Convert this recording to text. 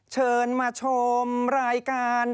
เชิญมาชมรายการ